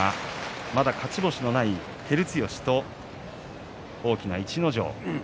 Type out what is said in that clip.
まだ勝ち星のない照強大きな逸ノ城との対戦です。